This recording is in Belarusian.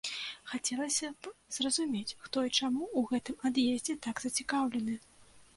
Хацелася б зразумець, хто і чаму ў гэтым ад'ездзе так зацікаўлены.